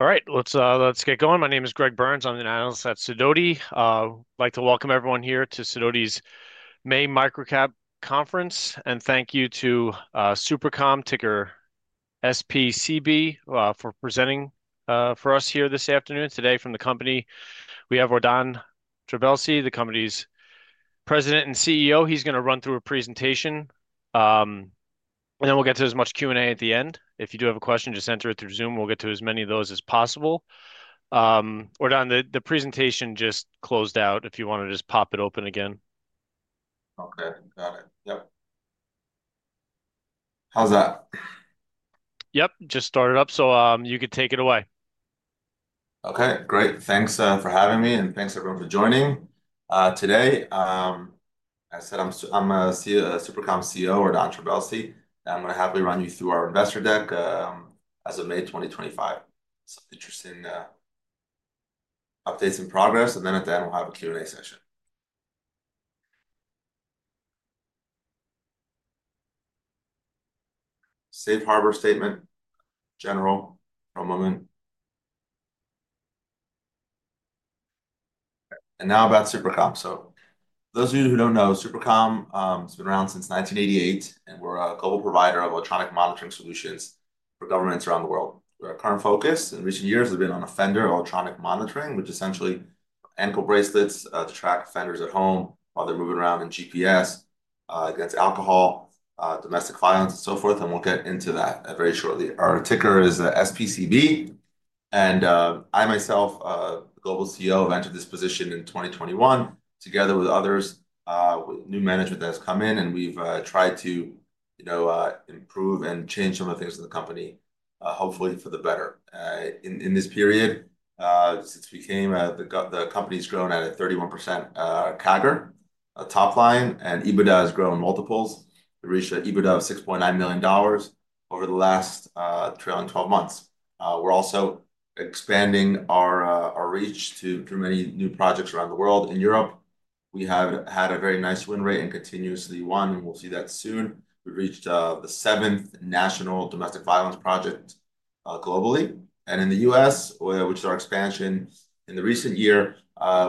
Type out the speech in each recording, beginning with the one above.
All right, let's get going. My name is Greg Burns. I'm the analyst at Sidoti. I'd like to welcome everyone here to Sidoti's May Microcap Conference, and thank you to SuperCom ticker SPCB for presenting for us here this afternoon. Today, from the company, we have Ordan Trabelsi, the company's President and CEO. He's going to run through a presentation, and then we'll get to as much Q&A at the end. If you do have a question, just enter it through Zoom. We'll get to as many of those as possible. Ordan, the presentation just closed out. If you want to just pop it open again. Okay, got it. Yep. How's that? Yep, just started up, so you could take it away. Okay, great. Thanks for having me, and thanks everyone for joining today. As I said, I'm SuperCom CEO, Ordan Trabelsi, and I'm going to happily run you through our investor deck as of May 2025. Some interesting updates in progress, and then at the end, we'll have a Q&A session. Safe harbor statement, general for a moment. Now about SuperCom. For those of you who don't know, SuperCom has been around since 1988, and we're a global provider of electronic monitoring solutions for governments around the world. Our current focus in recent years has been on offender electronic monitoring, which essentially are ankle bracelets to track offenders at home while they're moving around in GPS against alcohol, domestic violence, and so forth. We'll get into that very shortly. Our ticker is SPCB, and I myself, the global CEO, ventured this position in 2021 together with others, with new management that has come in, and we've tried to improve and change some of the things in the company, hopefully for the better. In this period, since we came, the company's grown at a 31% CAGR top line, and EBITDA has grown multiples, reached EBITDA of $6.9 million over the last trailing 12 months. We're also expanding our reach to many new projects around the world. In Europe, we have had a very nice win rate and continuously won, and we'll see that soon. We've reached the seventh national domestic violence project globally. In the U.S., which is our expansion in the recent year,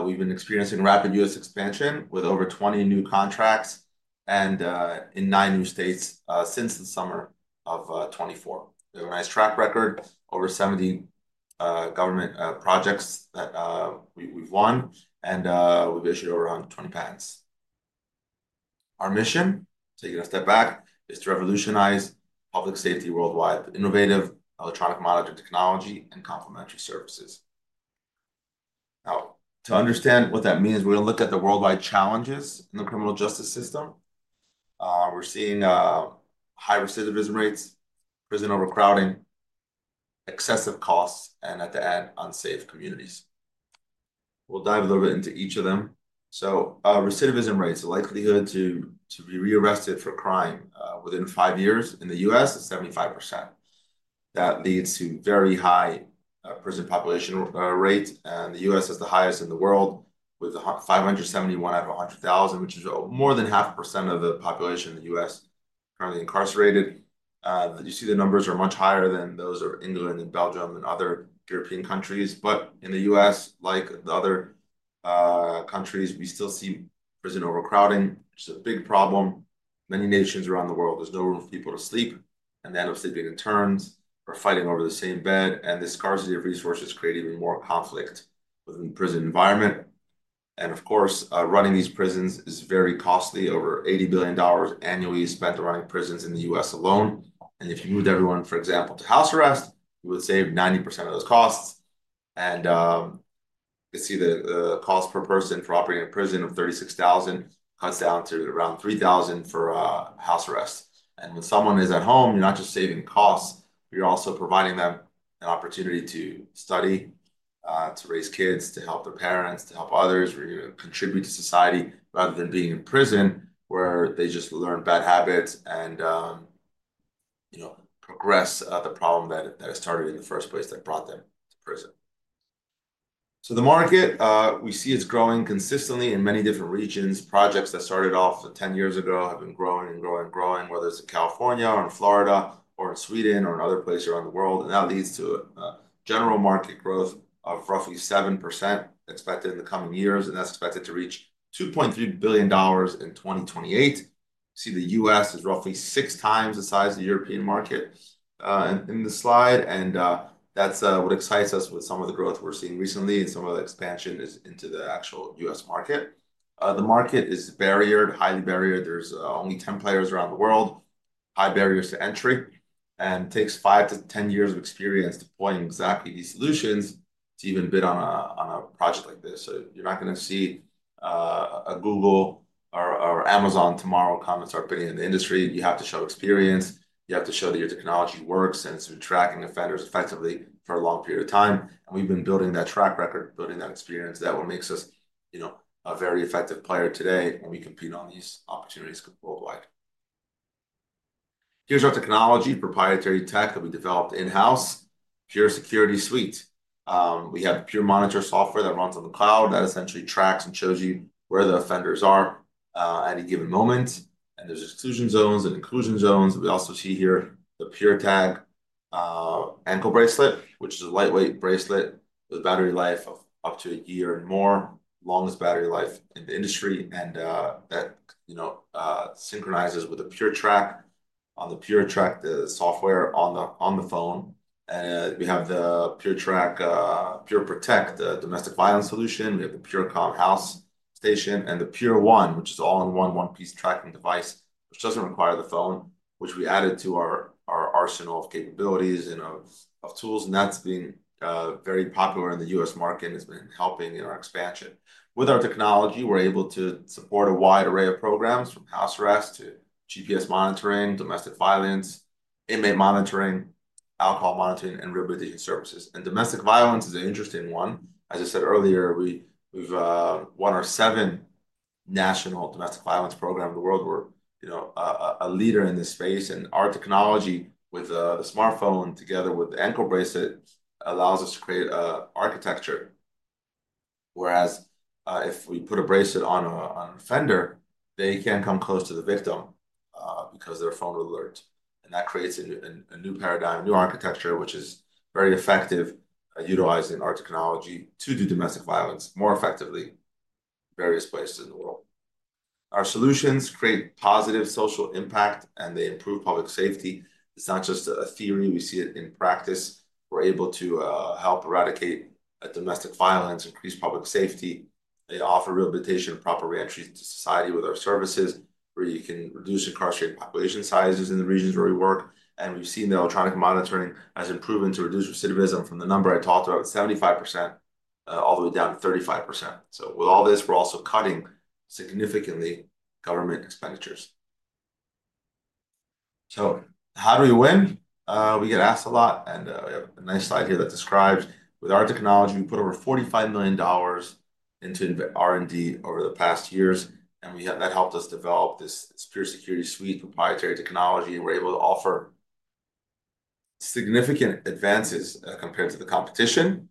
we've been experiencing rapid U.S. expansion with over 20 new contracts and in nine new states since the summer of 2024. We have a nice track record, over 70 government projects that we've won, and we've issued over 120 patents. Our mission, taking a step back, is to revolutionize public safety worldwide with innovative electronic monitoring technology and complementary services. Now, to understand what that means, we're going to look at the worldwide challenges in the criminal justice system. We're seeing high recidivism rates, prison overcrowding, excessive costs, and at the end, unsafe communities. We'll dive a little bit into each of them. Recidivism rates, the likelihood to be rearrested for crime within five years in the U.S. is 75%. That leads to very high prison population rates, and the U.S. is the highest in the world with 571 out of 100,000, which is more than half a percent of the population in the U.S. currently incarcerated. You see the numbers are much higher than those of England and Belgium and other European countries. In the U.S., like the other countries, we still see prison overcrowding, which is a big problem. Many nations around the world, there's no room for people to sleep, and they end up sleeping in turns or fighting over the same bed. This scarcity of resources creates even more conflict within the prison environment. Of course, running these prisons is very costly. Over $80 billion annually is spent running prisons in the U.S. alone. If you moved everyone, for example, to house arrest, you would save 90% of those costs. You see the cost per person for operating a prison of $36,000 cuts down to around $3,000 for house arrest. When someone is at home, you're not just saving costs, you're also providing them an opportunity to study, to raise kids, to help their parents, to help others, or even contribute to society rather than being in prison where they just learn bad habits and progress the problem that started in the first place that brought them to prison. The market, we see it's growing consistently in many different regions. Projects that started off 10 years ago have been growing and growing and growing, whether it's in California or in Florida or in Sweden or in other places around the world. That leads to a general market growth of roughly 7% expected in the coming years, and that's expected to reach $2.3 billion in 2028. You see the U.S. is roughly six times the size of the European market in the slide, and that's what excites us with some of the growth we're seeing recently and some of the expansion into the actual U.S. market. The market is barriered, highly barriered. There's only 10 players around the world, high barriers to entry, and takes 5-10 years of experience deploying exactly these solutions to even bid on a project like this. You're not going to see a Google or Amazon tomorrow come and start bidding in the industry. You have to show experience. You have to show that your technology works and has been tracking offenders effectively for a long period of time. We've been building that track record, building that experience that makes us a very effective player today when we compete on these opportunities worldwide. Here's our technology, proprietary tech that we developed in-house, Pure Security Suite. We have Pure Monitor software that runs on the cloud that essentially tracks and shows you where the offenders are at any given moment. There are exclusion zones and inclusion zones. We also see here the PureTag ankle bracelet, which is a lightweight bracelet with a battery life of up to a year and more, longest battery life in the industry. That synchronizes with the PureTrack on the PureTrack software on the phone. We have the PureTrack PureProtect, the domestic violence solution. We have the PureCom House Station and the PureOne, which is an all-in-one one-piece tracking device, which does not require the phone, which we added to our arsenal of capabilities and of tools. That has been very popular in the U.S. market and has been helping in our expansion. With our technology, we're able to support a wide array of programs from house arrest to GPS monitoring, domestic violence, inmate monitoring, alcohol monitoring, and rehabilitation services. Domestic violence is an interesting one. As I said earlier, we've won our seventh national domestic violence program in the world. We're a leader in this space. Our technology with the smartphone together with the ankle bracelet allows us to create an architecture, whereas if we put a bracelet on an offender, they can't come close to the victim because their phone will alert. That creates a new paradigm, new architecture, which is very effective utilizing our technology to do domestic violence more effectively in various places in the world. Our solutions create positive social impact, and they improve public safety. It's not just a theory. We see it in practice. We're able to help eradicate domestic violence, increase public safety. They offer rehabilitation and proper re-entry to society with our services, where you can reduce incarcerated population sizes in the regions where we work. We've seen the electronic monitoring has improved to reduce recidivism from the number I talked about, 75%, all the way down to 35%. With all this, we're also cutting significantly government expenditures. How do we win? We get asked a lot, and we have a nice slide here that describes with our technology, we put over $45 million into R&D over the past years, and that helped us develop this Pure Security Suite, proprietary technology. We're able to offer significant advances compared to the competition,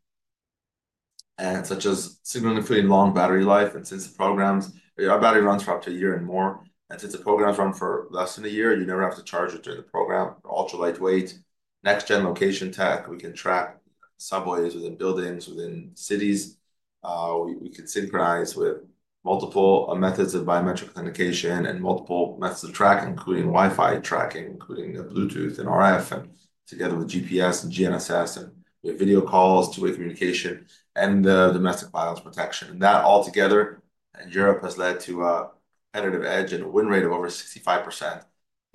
such as significantly long battery life and sensitive programs. Our battery runs for up to a year and more. Since the programs run for less than a year, you never have to charge it during the program. Ultra-lightweight, next-gen location tech. We can track subways within buildings, within cities. We can synchronize with multiple methods of biometric authentication and multiple methods of tracking, including Wi-Fi tracking, including Bluetooth and RF, and together with GPS and GNSS. We have video calls, two-way communication, and domestic violence protection. Altogether, in Europe, that has led to a competitive edge and a win rate of over 65%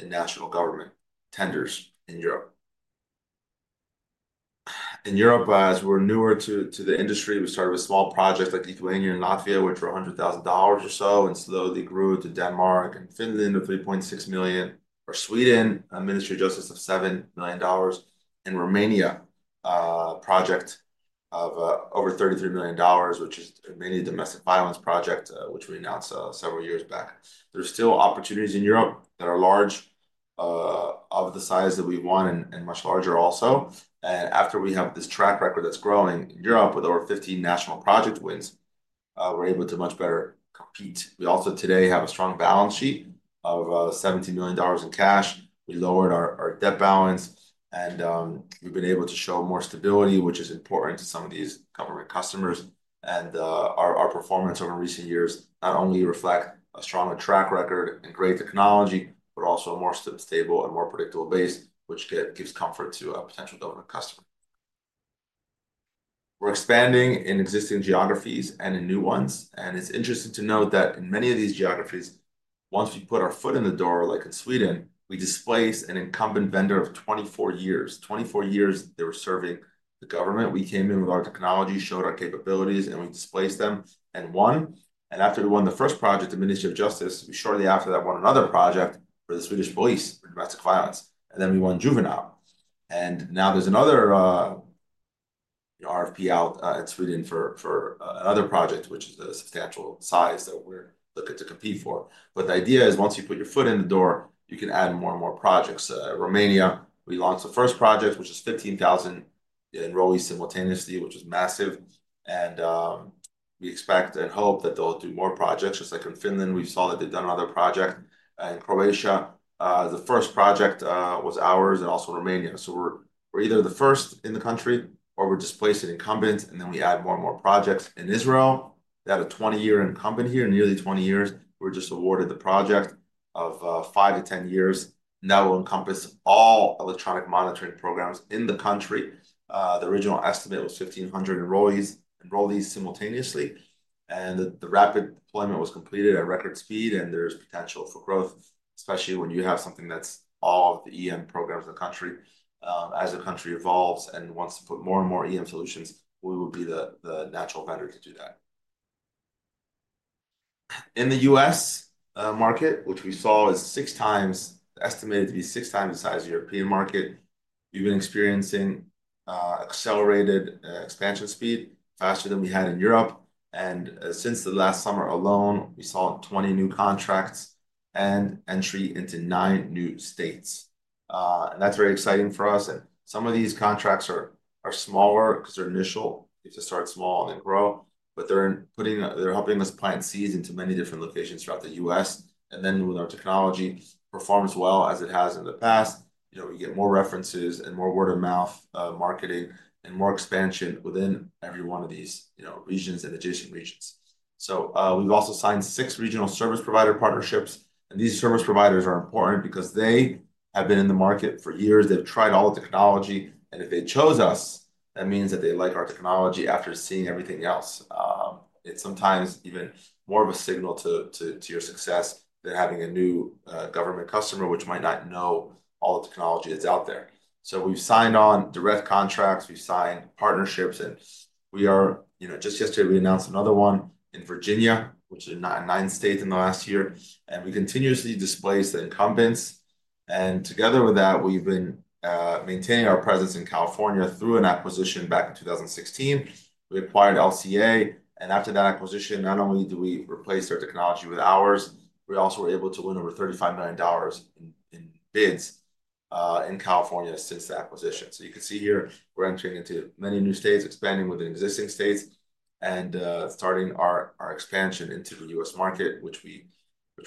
in national government tenders in Europe. In Europe, as we're newer to the industry, we started with small projects like Lithuania and Latvia, which were $100,000 or so, and slowly grew to Denmark and Finland of $3.6 million, or Sweden, a Ministry of Justice of $7 million, and Romania project of over $33 million, which is mainly a domestic violence project, which we announced several years back. There are still opportunities in Europe that are large, of the size that we want, and much larger also. After we have this track record that's growing in Europe with over 15 national project wins, we're able to much better compete. We also today have a strong balance sheet of $17 million in cash. We lowered our debt balance, and we've been able to show more stability, which is important to some of these government customers. Our performance over recent years not only reflects a strong track record and great technology, but also a more stable and more predictable base, which gives comfort to a potential government customer. We are expanding in existing geographies and in new ones. It is interesting to note that in many of these geographies, once we put our foot in the door, like in Sweden, we displaced an incumbent vendor of 24 years. Twenty-four years they were serving the government. We came in with our technology, showed our capabilities, and we displaced them and won. After we won the first project, the Ministry of Justice, we shortly after that won another project for the Swedish police for domestic violence. Then we won Juvenile. Now there is another RFP out in Sweden for another project, which is a substantial size that we are looking to compete for. The idea is once you put your foot in the door, you can add more and more projects. Romania, we launched the first project, which is 15,000 enrollees simultaneously, which is massive. We expect and hope that they'll do more projects. Just like in Finland, we saw that they've done another project. In Croatia, the first project was ours and also Romania. We are either the first in the country or we are displacing incumbents, and then we add more and more projects. In Israel, they had a 20-year incumbent here, nearly 20 years. We were just awarded the project of 5-10 years. Now we will encompass all electronic monitoring programs in the country. The original estimate was 1,500 enrollees simultaneously. The rapid deployment was completed at record speed, and there is potential for growth, especially when you have something that is all of the EM programs in the country. As the country evolves and wants to put more and more EM solutions, we will be the natural vendor to do that. In the U.S. market, which we saw is estimated to be six times the size of the European market, we have been experiencing accelerated expansion speed faster than we had in Europe. Since last summer alone, we saw 20 new contracts and entry into nine new states. That is very exciting for us. Some of these contracts are smaller because they are initial. You have to start small and then grow. They are helping us plant seeds into many different locations throughout the U.S. With our technology, it performs well as it has in the past. We get more references and more word-of-mouth marketing and more expansion within every one of these regions and adjacent regions. We have also signed six regional service provider partnerships. These service providers are important because they have been in the market for years. They have tried all the technology. If they chose us, that means that they like our technology after seeing everything else. It is sometimes even more of a signal to your success than having a new government customer, which might not know all the technology that is out there. We have signed on direct contracts. We have signed partnerships. Just yesterday, we announced another one in Virginia, which is nine states in the last year. We continuously displace the incumbents. Together with that, we have been maintaining our presence in California through an acquisition back in 2016. We acquired LCA. After that acquisition, not only did we replace their technology with ours, we also were able to win over $35 million in bids in California since the acquisition. You can see here, we're entering into many new states, expanding within existing states, and starting our expansion into the U.S. market, which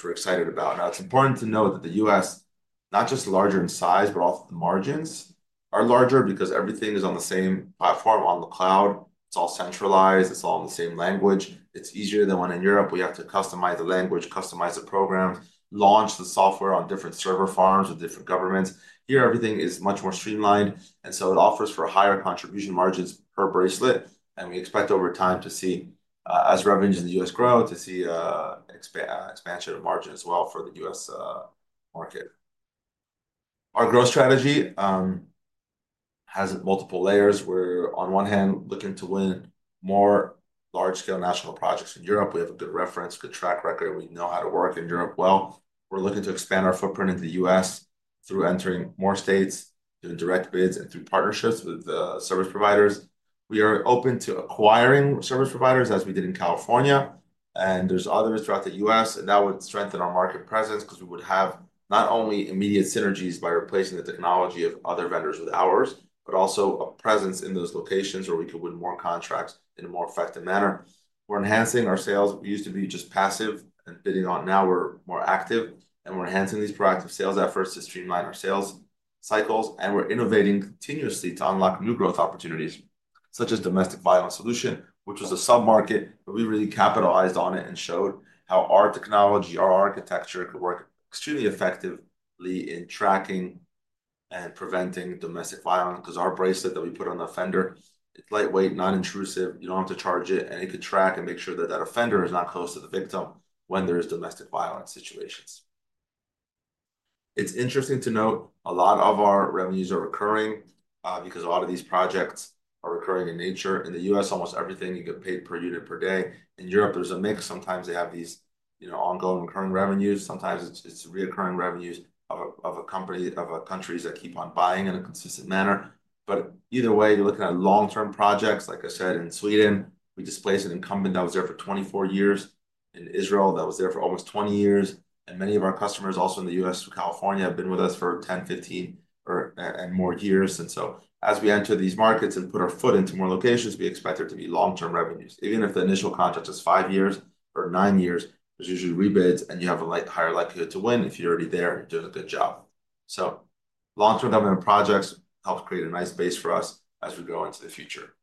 we're excited about. Now, it's important to note that the U.S., not just larger in size, but also the margins are larger because everything is on the same platform, on the cloud. It's all centralized. It's all in the same language. It's easier than when in Europe. We have to customize the language, customize the programs, launch the software on different server farms with different governments. Here, everything is much more streamlined. It offers for higher contribution margins per bracelet. We expect over time to see, as revenues in the U.S. grow, to see expansion of margin as well for the U.S. market. Our growth strategy has multiple layers. We're, on one hand, looking to win more large-scale national projects in Europe. We have a good reference, good track record. We know how to work in Europe well. We're looking to expand our footprint in the U.S. through entering more states, through direct bids, and through partnerships with service providers. We are open to acquiring service providers as we did in California. There are others throughout the U.S. That would strengthen our market presence because we would have not only immediate synergies by replacing the technology of other vendors with ours, but also a presence in those locations where we could win more contracts in a more effective manner. We're enhancing our sales. We used to be just passive and bidding on. Now we're more active. We're enhancing these proactive sales efforts to streamline our sales cycles. We're innovating continuously to unlock new growth opportunities, such as domestic violence solution, which was a sub-market, but we really capitalized on it and showed how our technology, our architecture could work extremely effectively in tracking and preventing domestic violence because our bracelet that we put on the offender, it's lightweight, non-intrusive. You don't have to charge it. It could track and make sure that that offender is not close to the victim when there are domestic violence situations. It's interesting to note a lot of our revenues are recurring because a lot of these projects are recurring in nature. In the U.S., almost everything you get paid per unit per day. In Europe, there's a mix. Sometimes they have these ongoing recurring revenues. Sometimes it's reoccurring revenues of countries that keep on buying in a consistent manner. Either way, you're looking at long-term projects. Like I said, in Sweden, we displaced an incumbent that was there for 24 years. In Israel, that was there for almost 20 years. Many of our customers also in the U.S., California, have been with us for 10, 15, and more years. As we enter these markets and put our foot into more locations, we expect there to be long-term revenues. Even if the initial contract is five years or nine years, there's usually rebids, and you have a higher likelihood to win if you're already there and you're doing a good job. Long-term government projects help create a nice base for us as we go into the future.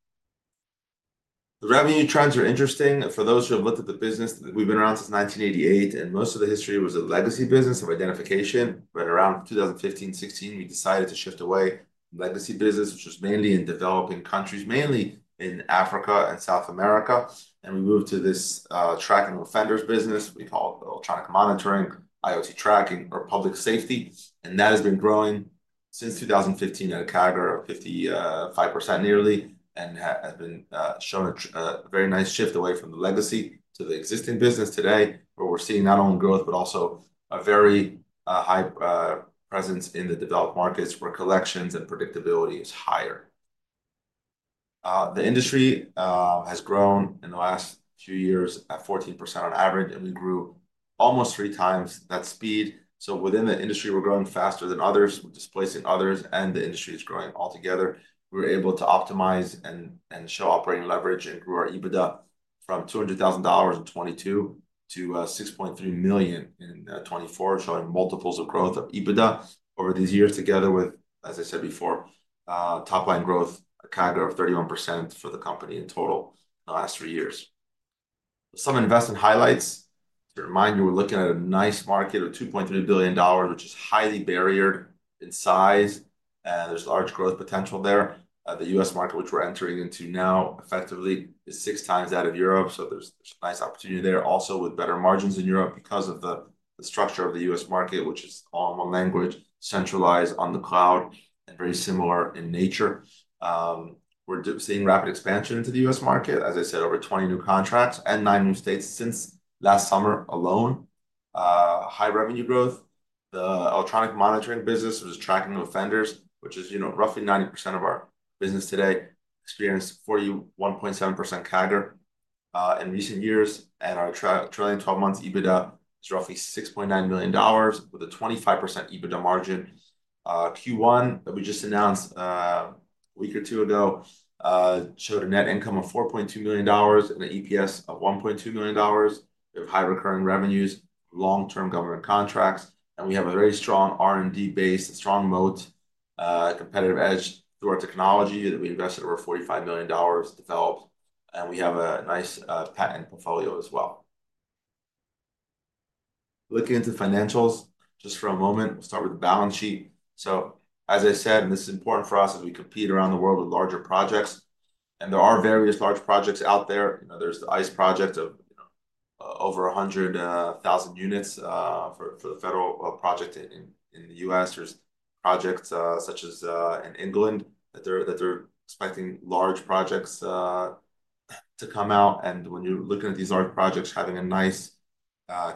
The revenue trends are interesting. For those who have looked at the business, we've been around since 1988, and most of the history was a legacy business of identification. Around 2015, 2016, we decided to shift away from legacy business, which was mainly in developing countries, mainly in Africa and South America. We moved to this tracking of offenders business. We call it electronic monitoring, IoT tracking, or public safety. That has been growing since 2015 at a CAGR of 55% nearly and has shown a very nice shift away from the legacy to the existing business today, where we're seeing not only growth, but also a very high presence in the developed markets where collections and predictability is higher. The industry has grown in the last few years at 14% on average, and we grew almost three times that speed. Within the industry, we're growing faster than others. We're displacing others, and the industry is growing altogether. We were able to optimize and show operating leverage and grew our EBITDA from $200,000 in 2022 to $6.3 million in 2024, showing multiples of growth of EBITDA over these years together with, as I said before, top-line growth, a CAGR of 31% for the company in total in the last three years. Some investment highlights. To remind you, we're looking at a nice market of $2.3 billion, which is highly barriered in size. There's large growth potential there. The U.S. market, which we're entering into now effectively, is six times that of Europe. There's a nice opportunity there also with better margins in Europe because of the structure of the U.S. market, which is all in one language, centralized on the cloud, and very similar in nature. We're seeing rapid expansion into the U.S. market, as I said, over 20 new contracts and 9 new states since last summer alone. High revenue growth. The electronic monitoring business, which is tracking offenders, which is roughly 90% of our business today, experienced 41.7% CAGR in recent years. And our trailing 12-month EBITDA is roughly $6.9 million with a 25% EBITDA margin. Q1 that we just announced a week or two ago showed a net income of $4.2 million and an EPS of $1.2 million. We have high recurring revenues, long-term government contracts, and we have a very strong R&D base, a strong moat, competitive edge through our technology that we invested over $45 million developed. And we have a nice patent portfolio as well. Looking into financials just for a moment, we'll start with the balance sheet. As I said, this is important for us as we compete around the world with larger projects. There are various large projects out there. There's the ICE project of over 100,000 units for the federal project in the U.S. There are projects such as in England that they're expecting large projects to come out. When you're looking at these large projects, having a nice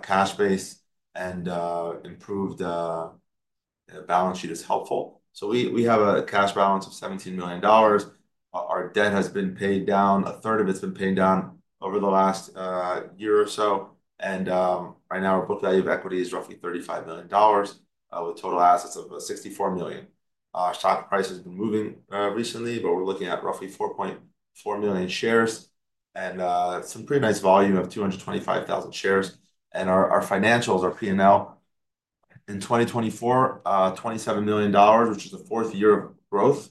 cash base and improved balance sheet is helpful. We have a cash balance of $17 million. Our debt has been paid down. A third of it has been paid down over the last year or so. Right now, our book value of equity is roughly $35 million with total assets of $64 million. Stock price has been moving recently, but we're looking at roughly 4.4 million shares and some pretty nice volume of 225,000 shares. Our financials, our P&L in 2024, $27 million, which is the fourth year of growth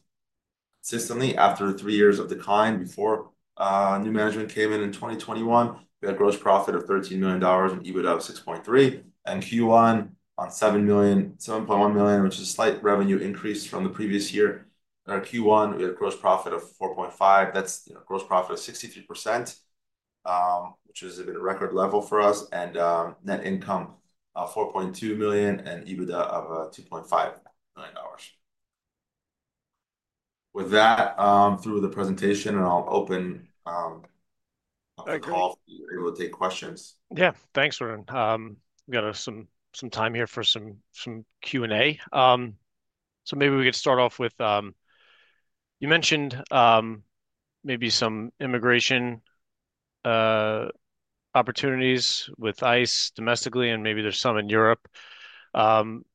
consistently after 3 years of decline before new management came in in 2021. We had a gross profit of $13 million and EBITDA of 6.3. Q1 on 7.1 million, which is a slight revenue increase from the previous year. In our Q1, we had a gross profit of 4.5. That's a gross profit of 63%, which has been a record level for us. Net income of 4.2 million and EBITDA of $2.5 million. With that, through with the presentation, I'll open up the call for you to take questions. Yeah. Thanks, Ron. We've got some time here for some Q&A. Maybe we could start off with, you mentioned maybe some immigration opportunities with ICE domestically, and maybe there's some in Europe.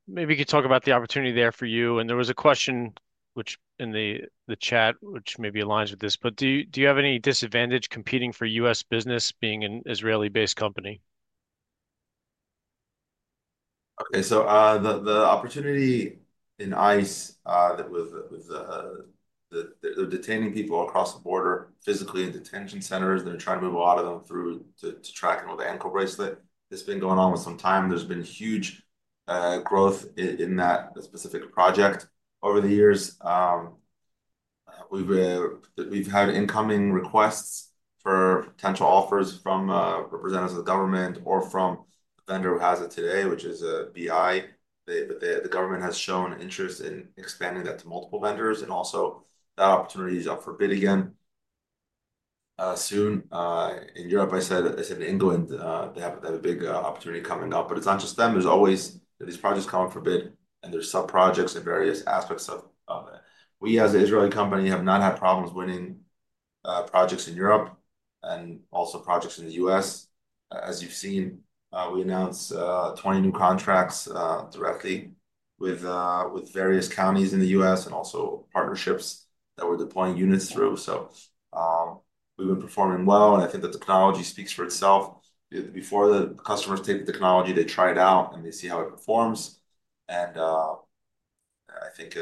Maybe you could talk about the opportunity there for you. There was a question in the chat which maybe aligns with this. Do you have any disadvantage competing for U.S. business being an Israeli-based company? Okay. The opportunity in ICE with the detaining people across the border physically in detention centers, they're trying to move a lot of them through to tracking with the ankle bracelet. It's been going on for some time. There's been huge growth in that specific project over the years. We've had incoming requests for potential offers from representatives of the government or from the vendor who has it today, which is BI. The government has shown interest in expanding that to multiple vendors. That opportunity is up for bid again soon. In Europe, I said in England, they have a big opportunity coming up. It's not just them. There's always these projects coming for bid, and there's sub-projects in various aspects of it. We, as an Israeli company, have not had problems winning projects in Europe and also projects in the U.S. As you've seen, we announced 20 new contracts directly with various counties in the U.S. and also partnerships that we're deploying units through. We've been performing well. I think the technology speaks for itself. Before the customers take the technology, they try it out and they see how it performs. I think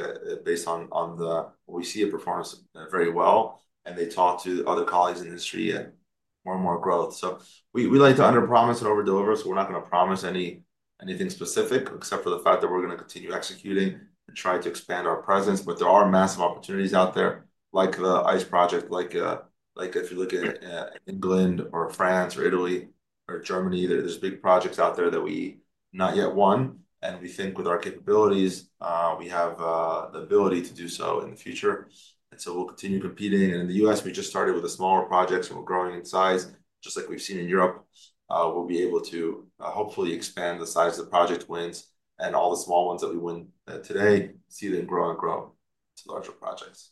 based on what we see, it performs very well. They talk to other colleagues in the industry and more and more growth. We like to underpromise and overdeliver. We're not going to promise anything specific except for the fact that we're going to continue executing and try to expand our presence. There are massive opportunities out there, like the ICE project, like if you look at England or France or Italy or Germany, there are big projects out there that we have not yet won. We think with our capabilities, we have the ability to do so in the future. We will continue competing. In the U.S., we just started with the smaller projects, and we are growing in size. Just like we have seen in Europe, we will be able to hopefully expand the size of the project wins, and all the small ones that we win today, see them grow and grow to larger projects.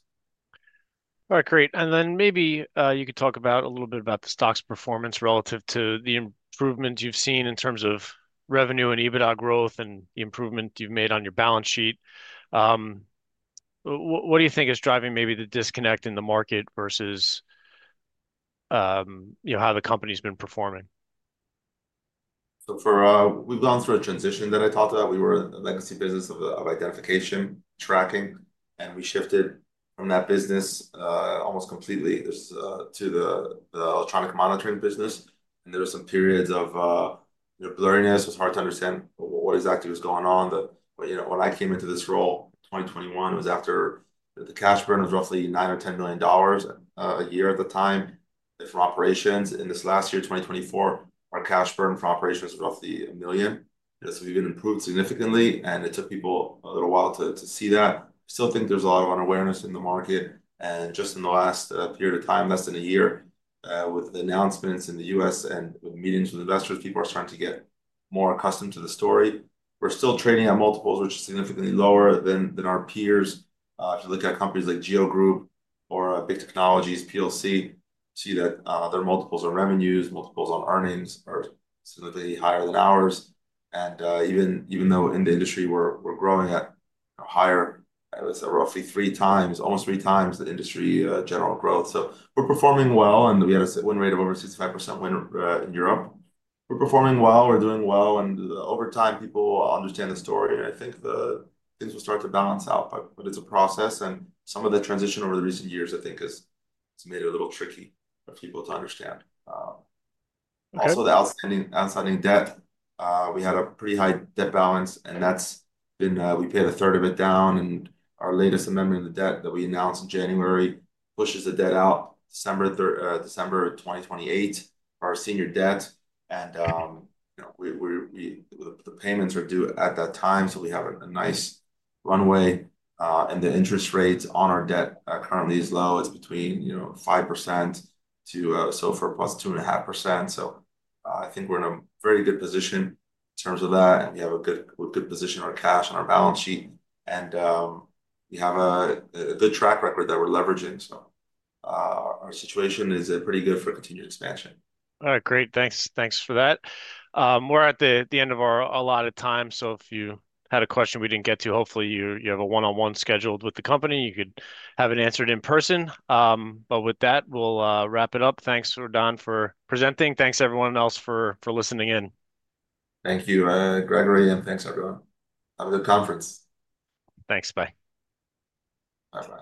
All right. Great. Maybe you could talk a little bit about the stock's performance relative to the improvements you have seen in terms of revenue and EBITDA growth and the improvement you have made on your balance sheet. What do you think is driving maybe the disconnect in the market versus how the company's been performing? We have gone through a transition that I talked about. We were a legacy business of identification tracking, and we shifted from that business almost completely to the electronic monitoring business. There were some periods of blurriness. It was hard to understand what exactly was going on. When I came into this role, 2021, it was after the cash burn was roughly $9 million or $10 million a year at the time from operations. In this last year, 2024, our cash burn from operations was roughly $1 million. We have improved significantly, and it took people a little while to see that. I still think there is a lot of unawareness in the market. Just in the last period of time, less than a year, with announcements in the U.S. and with meetings with investors, people are starting to get more accustomed to the story. We're still trading at multiples, which are significantly lower than our peers. If you look at companies like GEO Group or Big Technologies, you see that their multiples on revenues, multiples on earnings are significantly higher than ours. Even though in the industry, we're growing at a higher, I would say, roughly three times, almost three times the industry general growth. We're performing well, and we had a win rate of over 65% win in Europe. We're performing well. We're doing well. Over time, people understand the story. I think things will start to balance out, but it's a process. Some of the transition over the recent years, I think, has made it a little tricky for people to understand. Also, the outstanding debt, we had a pretty high debt balance, and that's been we paid a third of it down. Our latest amendment in the debt that we announced in January pushes the debt out to December 2028 for our senior debt. The payments are due at that time, so we have a nice runway. The interest rate on our debt currently is low. It's between 5% to so far plus 2.5%. I think we're in a very good position in terms of that. We have a good position on our cash on our balance sheet, and we have a good track record that we're leveraging. Our situation is pretty good for continued expansion. All right. Great. Thanks for that. We're at the end of our allotted time. If you had a question we didn't get to, hopefully, you have a one-on-one scheduled with the company. You could have it answered in person. With that, we'll wrap it up. Thanks, Ordan, for presenting. Thanks, everyone else, for listening in. Thank you, Gregory, and thanks, everyone. Have a good conference. Thanks. Bye. Bye-bye.